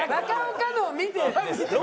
中岡のを見てです。